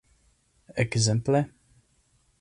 Ekzemple?